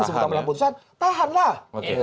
disebut namanya putusan